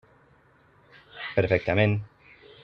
Perfectament.